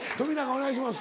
お願いします。